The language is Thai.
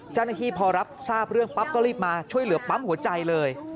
เจ้าหน้าที่พอรับทราบเรื่องปั๊บก็รีบมาช่วยเหลือปั๊มหัวใจเลย